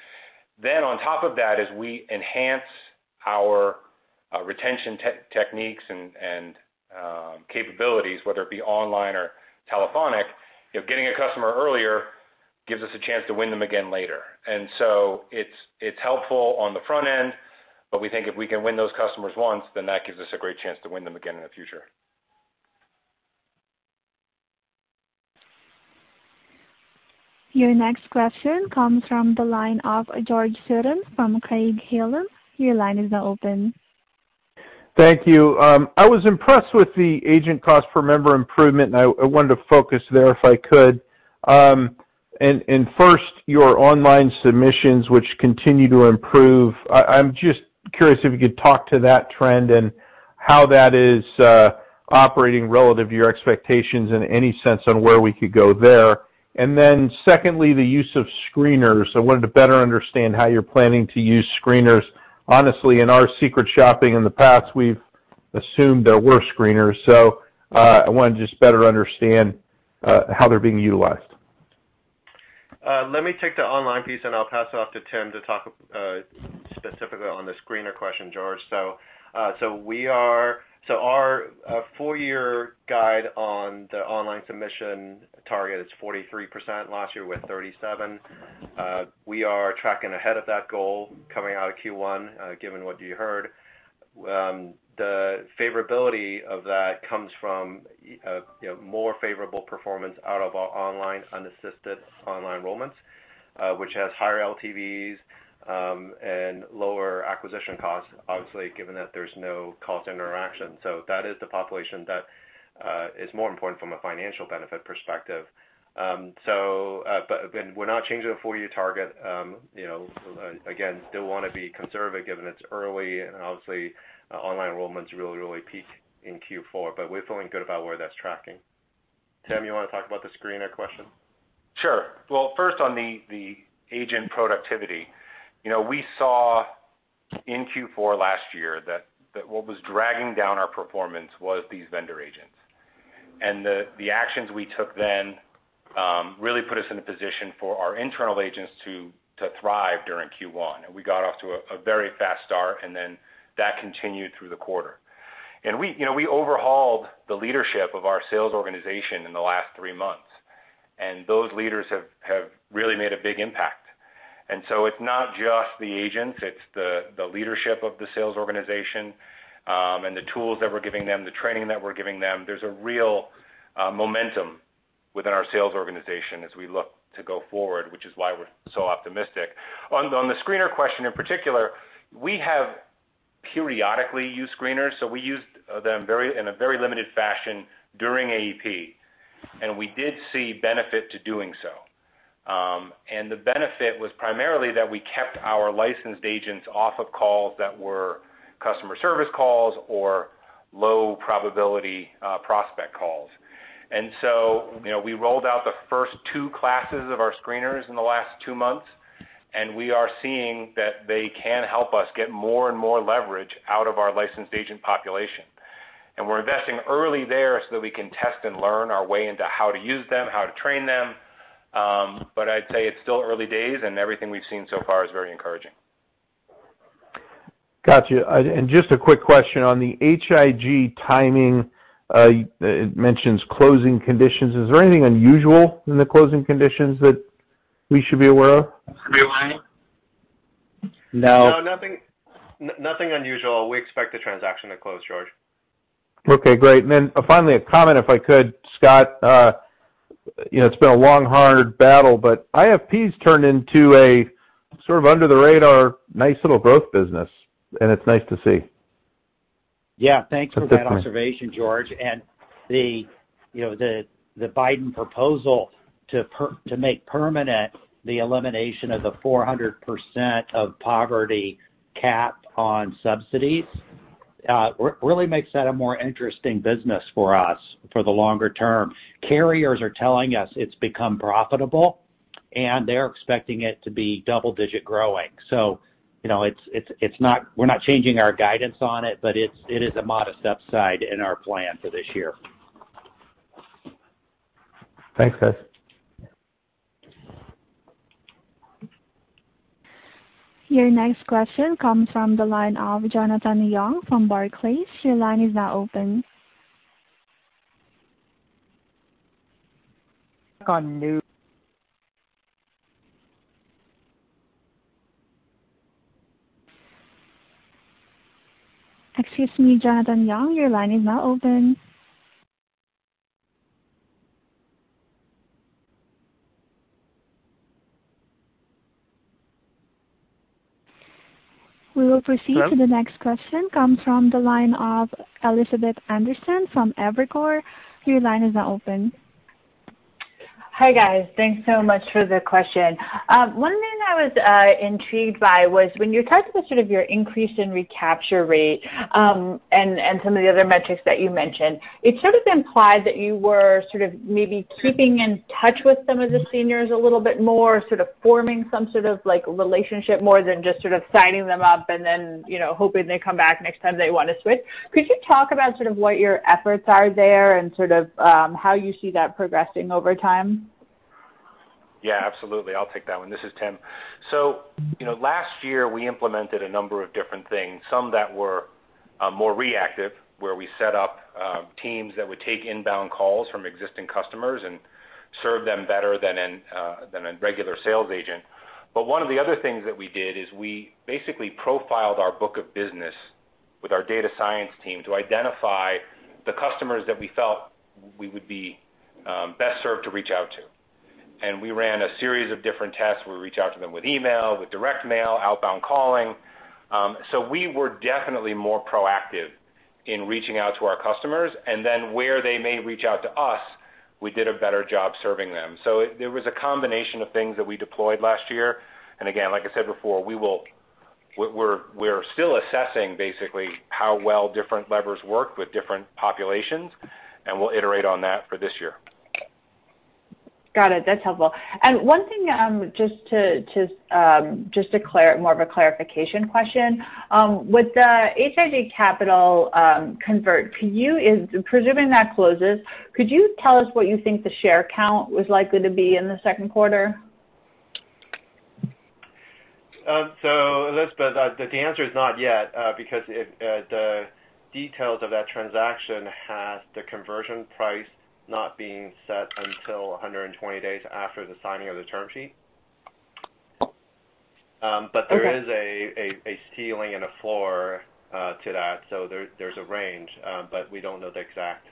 On top of that, as we enhance our retention techniques and capabilities, whether it be online or telephonic, getting a customer earlier gives us a chance to win them again later. It's helpful on the front end, but we think if we can win those customers once, then that gives us a great chance to win them again in the future. Your next question comes from the line of George Sutton from Craig-Hallum. Your line is now open. Thank you. I was impressed with the age-in cost per member improvement. I wanted to focus there if I could. First, your online submissions, which continue to improve. I'm just curious if you could talk to that trend and how that is operating relative to your expectations, and any sense on where we could go there. Secondly, the use of screeners. I wanted to better understand how you're planning to use screeners. Honestly, in our secret shopping in the past, we've assumed there were screeners, so I wanted to just better understand how they're being utilized. Let me take the online piece, and I'll pass it off to Tim to talk specifically on the screener question, George. Our full year guide on the online submission target is 43%, last year was 37%. We are tracking ahead of that goal coming out of Q1, given what you heard. The favorability of that comes from more favorable performance out of our online, unassisted online enrollments, which has higher LTVs, and lower acquisition costs, obviously, given that there's no call to interaction. That is the population that is more important from a financial benefit perspective. We're not changing the full year target. Again, still want to be conservative given it's early and obviously online enrollment's really peak in Q4, but we're feeling good about where that's tracking. Tim, you want to talk about the screener question? Sure. Well, first on the age-in productivity. We saw in Q4 last year that what was dragging down our performance was these vendor age-ins. The actions we took then really put us in a position for our internal age-ins to thrive during Q1. We got off to a very fast start, and then that continued through the quarter. We overhauled the leadership of our sales organization in the last three months, and those leaders have really made a big impact. It's not just the age-ins, it's the leadership of the sales organization, and the tools that we're giving them, the training that we're giving them. There's a real momentum within our sales organization as we look to go forward, which is why we're so optimistic. On the screener question in particular, we have periodically used screeners, so we used them in a very limited fashion during AEP, and we did see benefit to doing so. The benefit was primarily that we kept our licensed age-ins off of calls that were customer service calls or low-probability prospect calls. We rolled out the first two classes of our screeners in the last two months, and we are seeing that they can help us get more and more leverage out of our licensed age-in population. We're investing early there so that we can test and learn our way into how to use them, how to train them. I'd say it's still early days, and everything we've seen so far is very encouraging. Got you. Just a quick question on the H.I.G timing, it mentions closing conditions. Is there anything unusual in the closing conditions that we should be aware of? No. No. Nothing unusual. We expect the transaction to close, George. Okay, great. Finally, a comment, if I could. Scott, it's been a long, hard battle, but IFP's turned into a sort of under the radar, nice little growth business, and it's nice to see. Yeah. Thanks for that observation, George. The Biden proposal to make permanent the elimination of the 400% of poverty cap on subsidies, really makes that a more interesting business for us for the longer term. Carriers are telling us it's become profitable, and they're expecting it to be double-digit growing. We're not changing our guidance on it, but it is a modest upside in our plan for this year. Thanks, guys. Your next question comes from the line of Jonathan Yong from Barclays. Your line is now open. On new- Excuse me, Jonathan Yong, your line is now open. We will proceed to the next question, comes from the line of Elizabeth Anderson from Evercore. Your line is now open. Hi, guys. Thanks so much for the question. One thing I was intrigued by was when you talked about sort of your increase in recapture rate, and some of the other metrics that you mentioned, it sort of implied that you were sort of maybe keeping in touch with some of the seniors a little bit more, sort of forming some sort of relationship more than just sort of signing them up and then hoping they come back next time they want to switch. Could you talk about sort of what your efforts are there and sort of how you see that progressing over time? Yeah, absolutely. I'll take that one. This is Tim. Last year we implemented a number of different things, some that were more reactive, where we set up teams that would take inbound calls from existing customers and serve them better than a regular sales age-in. One of the other things that we did is we basically profiled our book of business with our data science team to identify the customers that we felt we would be best served to reach out to. We ran a series of different tests, where we reached out to them with email, with direct mail, outbound calling. We were definitely more proactive. In reaching out to our customers, and then where they may reach out to us, we did a better job serving them. There was a combination of things that we deployed last year. Again, like I said before, we're still assessing basically how well different levers work with different populations, and we'll iterate on that for this year. Got it. That's helpful. One thing, just more of a clarification question. With the H.I.G. Capital convert, presuming that closes, could you tell us what you think the share count was likely to be in the second quarter? Elizabeth, the answer is not yet, because the details of that transaction has the conversion price not being set until 120 days after the signing of the term sheet. Okay. There is a ceiling and a floor to that, so there's a range. We don't know the exact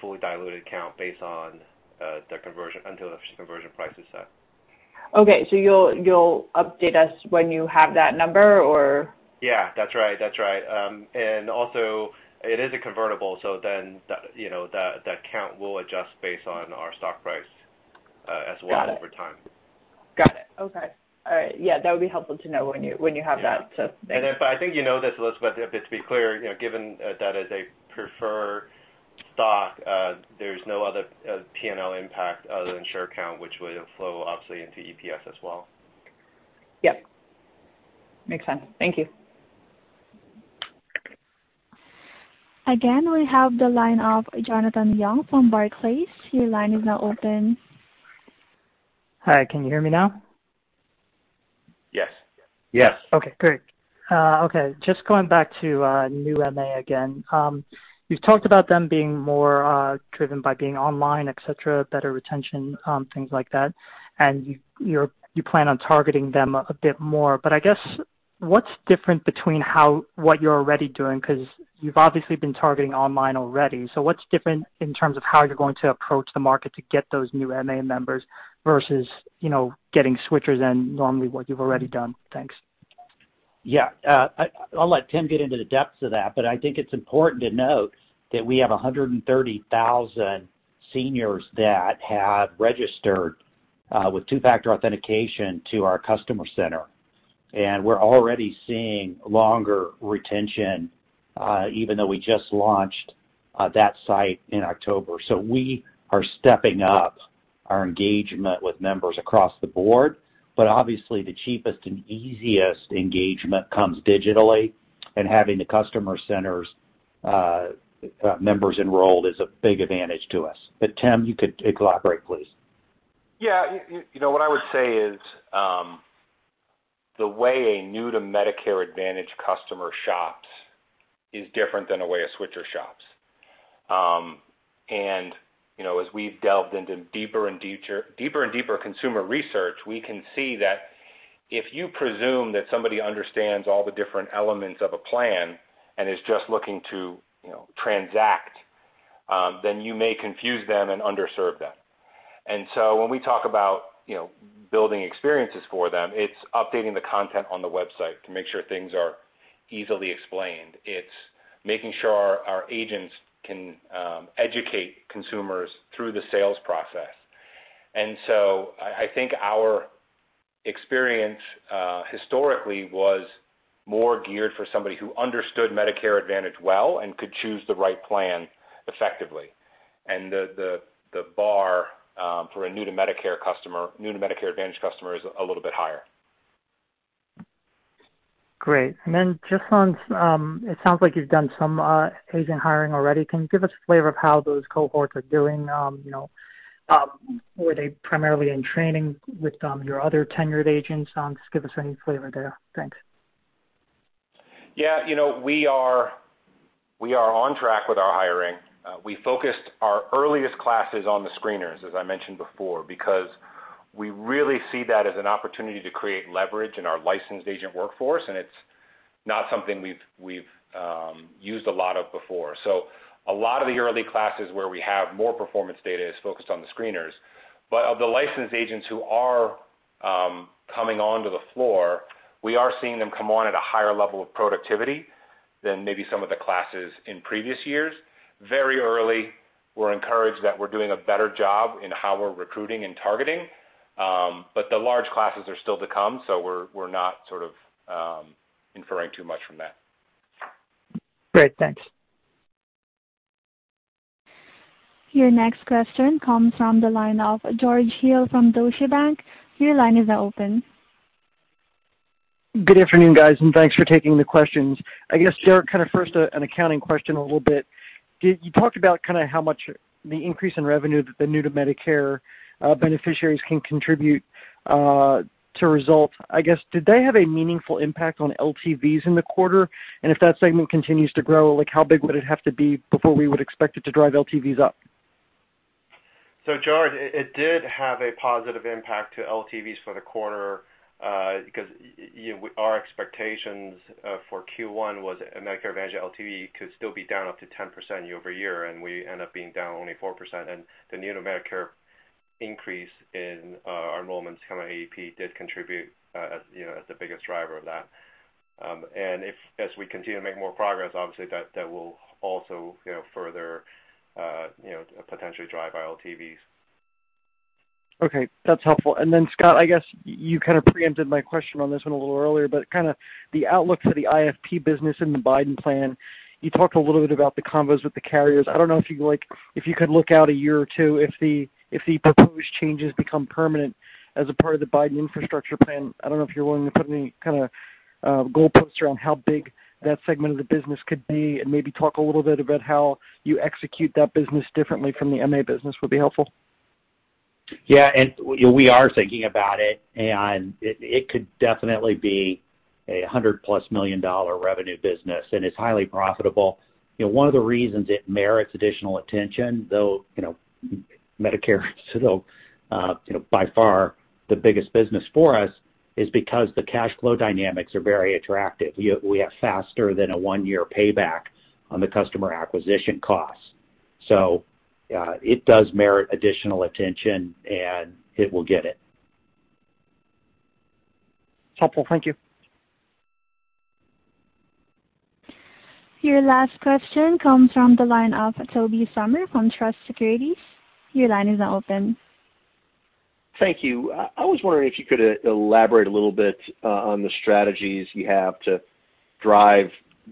fully diluted count based on the conversion until the conversion price is set. Okay, you'll update us when you have that number? Yeah. That's right. Also, it is a convertible, so then the count will adjust based on our stock price as well. Got it. Over time. Got it. Okay. All right. Yeah, that would be helpful to know when you have that. Thanks. If, I think you know this, Elizabeth, but to be clear, given that as a preferred stock, there's no other P&L impact other than share count, which would flow obviously into EPS as well. Yep. Makes sense. Thank you. Again, we have the line of Jonathan Yong from Barclays. Your line is now open. Hi, can you hear me now? Yes. Yes. Okay, great. Just going back to new MA again. You've talked about them being more driven by being online, et cetera, better retention, things like that. You plan on targeting them a bit more. I guess, what's different between what you're already doing, because you've obviously been targeting online already, what's different in terms of how you're going to approach the market to get those new MA members versus getting switchers and normally what you've already done? Thanks. Yeah. I'll let Tim get into the depths of that, but I think it's important to note that we have 130,000 seniors that have registered with two-factor authentication to our Customer Center. We're already seeing longer retention, even though we just launched that site in October. We are stepping up our engagement with members across the board, but obviously the cheapest and easiest engagement comes digitally, and having the Customer Center's members enrolled is a big advantage to us. Tim, you could elaborate, please. Yeah. What I would say is, the way a new-to-Medicare Advantage customer shops is different than a way a switcher shops. As we've delved into deeper and deeper consumer research, we can see that if you presume that somebody understands all the different elements of a plan and is just looking to transact, then you may confuse them and underserve them. When we talk about building experiences for them, it's updating the content on the website to make sure things are easily explained. It's making sure our age-ins can educate consumers through the sales process. I think our experience, historically, was more geared for somebody who understood Medicare Advantage well and could choose the right plan effectively. The bar for a new-to-Medicare Advantage customer is a little bit higher. Great. It sounds like you've done some age-in hiring already. Can you give us a flavor of how those cohorts are doing? Were they primarily in training with your other tenured age-ins? Just give us any flavor there. Thanks. Yeah, we are on track with our hiring. We focused our earliest classes on the screeners, as I mentioned before, because we really see that as an opportunity to create leverage in our licensed age-in workforce, and it's not something we've used a lot of before. A lot of the early classes where we have more performance data is focused on the screeners. Of the licensed age-ins who are coming onto the floor, we are seeing them come on at a higher level of productivity than maybe some of the classes in previous years. Very early, we're encouraged that we're doing a better job in how we're recruiting and targeting. The large classes are still to come, so we're not sort of inferring too much from that. Great, thanks. Your next question comes from the line of George Hill from Deutsche Bank. Your line is open. Good afternoon, guys, and thanks for taking the questions. I guess, Derek, kind of first an accounting question a little bit. You talked about kind of how much the increase in revenue that the new-to-Medicare beneficiaries can contribute to results. I guess, did they have a meaningful impact on LTVs in the quarter? If that segment continues to grow, how big would it have to be before we would expect it to drive LTVs up? George, it did have a positive impact to LTVs for the quarter, because our expectations for Q1 was Medicare Advantage LTV could still be down up to 10% year-over-year. We end up being down only 4%. The new-to-Medicare increase in our enrollments coming AEP did contribute as the biggest driver of that. As we continue to make more progress, obviously that will also further potentially drive LTVs. Okay. That's helpful. Scott, I guess you kind of preempted my question on this one a little earlier, but the outlook for the IFP business in the Biden plan, you talked a little bit about the convos with the carriers. I don't know if you could look out a year or two, if the proposed changes become permanent as a part of the Biden infrastructure plan, I don't know if you're willing to put any kind of goalpost around how big that segment of the business could be, and maybe talk a little bit about how you execute that business differently from the MA business would be helpful. Yeah. We are thinking about it, and it could definitely be a $100+ million revenue business, and it's highly profitable. One of the reasons it merits additional attention, though Medicare is by far the biggest business for us, is because the cash flow dynamics are very attractive. We have faster than a one-year payback on the customer acquisition costs. Yeah, it does merit additional attention, and it will get it. Helpful. Thank you. Your last question comes from the line of Tobey Sommer from Truist Securities. Your line is now open. Thank you. I was wondering if you could elaborate a little bit on the strategies you have to drive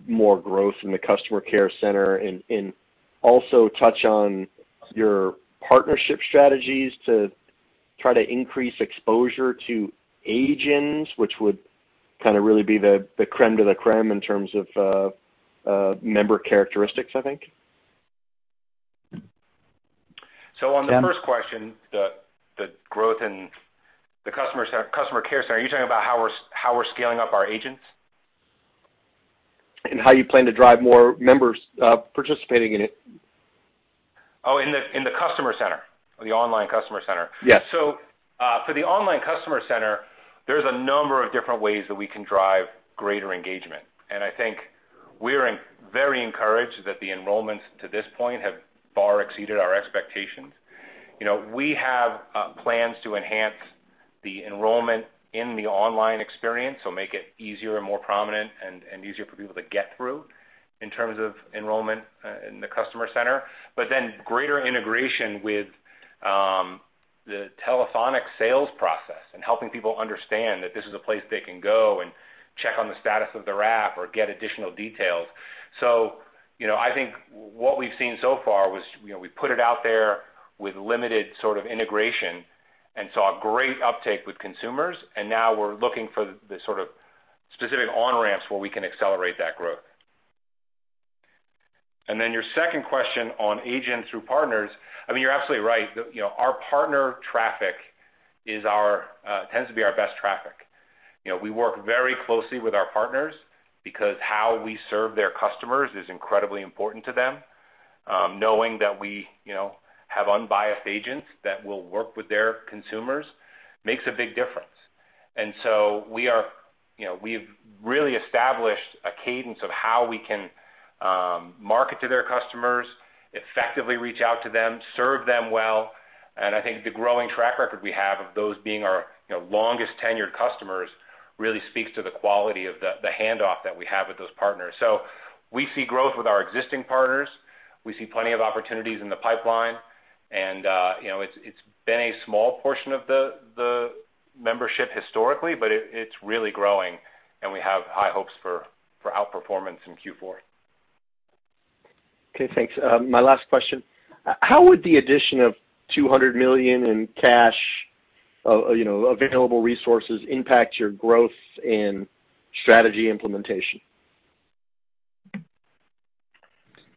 more growth in the Customer Care Center, and also touch on your partnership strategies to try to increase exposure to age-ins, which would kind of really be the crème de la crème in terms of member characteristics, I think. On the first question, the growth in the Customer Care Center, are you talking about how we're scaling up our age-ins? How you plan to drive more members participating in it. Oh, in the Customer Center, the online Customer Center. Yes. For the Customer Care Center, there's a number of different ways that we can drive greater engagement, and I think we are very encouraged that the enrollments to this point have far exceeded our expectations. We have plans to enhance the enrollment in the online experience, so make it easier and more prominent, and easier for people to get through in terms of enrollment in the Customer Care Center. Then greater integration with the telephonic sales process and helping people understand that this is a place they can go and check on the status of their app or get additional details. I think what we've seen so far was we put it out there with limited sort of integration and saw great uptake with consumers, and now we're looking for the sort of specific on-ramps where we can accelerate that growth. Your second question on age-ins through partners, I mean, you're absolutely right. Our partner traffic tends to be our best traffic. We work very closely with our partners because how we serve their customers is incredibly important to them. Knowing that we have unbiased age-ins that will work with their consumers makes a big difference. We've really established a cadence of how we can market to their customers, effectively reach out to them, serve them well, and I think the growing track record we have of those being our longest-tenured customers really speaks to the quality of the handoff that we have with those partners. We see growth with our existing partners. We see plenty of opportunities in the pipeline, and it's been a small portion of the membership historically, but it's really growing, and we have high hopes for outperformance in Q4. Okay, thanks. My last question, how would the addition of $200 million in cash, available resources impact your growth and strategy implementation?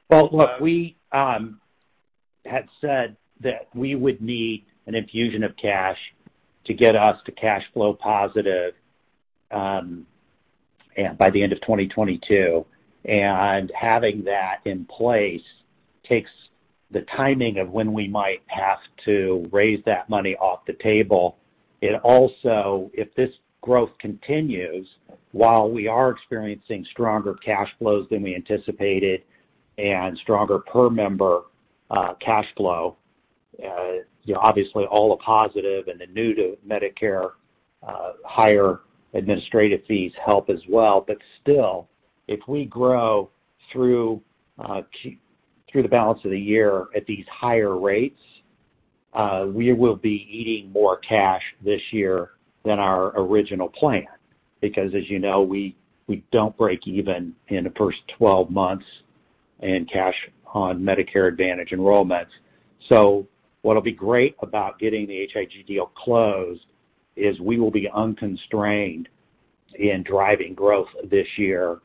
Well, look, we had said that we would need an infusion of cash to get us to cash flow positive by the end of 2022. Having that in place takes the timing of when we might have to raise that money off the table. It also, if this growth continues, while we are experiencing stronger cash flows than we anticipated and stronger per member cash flow, obviously all a positive and the new to Medicare, higher administrative fees help as well. Still, if we grow through the balance of the year at these higher rates, we will be eating more cash this year than our original plan because, as you know, we don't break even in the first 12 months in cash on Medicare Advantage enrollments. What'll be great about getting the H.I.G. deal closed is we will be unconstrained in driving growth this year,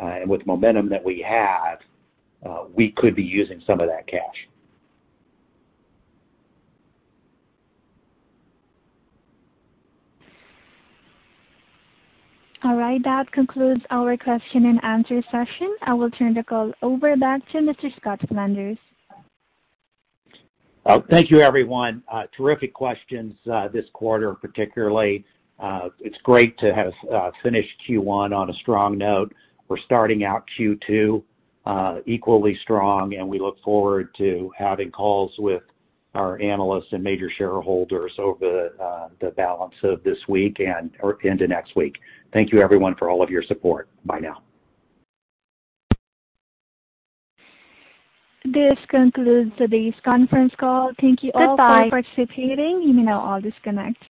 and with the momentum that we have, we could be using some of that cash. All right. That concludes our question and answer session. I will turn the call over back to Mr. Scott Flanders. Thank you, everyone. Terrific questions, this quarter particularly. It's great to have finished Q1 on a strong note. We're starting out Q2 equally strong, and we look forward to having calls with our analysts and major shareholders over the balance of this week and into next week. Thank you, everyone, for all of your support. Bye now. This concludes today's conference call. Thank you all. Goodbye for participating. You may now all disconnect.